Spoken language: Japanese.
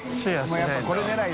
もうやっぱこれ狙い。